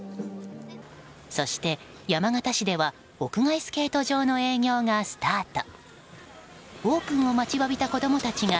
そして、山形市では屋外スケート場の営業がスタート。